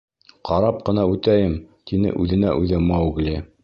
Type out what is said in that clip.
— Ҡарап ҡына үтәйем, — тине үҙенә-үҙе Маугли.